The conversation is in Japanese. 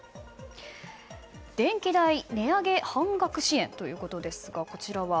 電気代値上げ半額支援ということですが、こちらは？